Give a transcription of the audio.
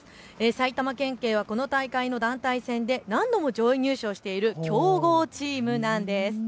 埼玉県警はこの大会の団体戦で何度も上位入賞している強豪チームなんです。